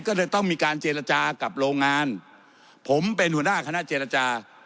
ก็เลยต้องมีการเจรจากับโรงงานผมเป็นหัวหน้าคณะเจรจา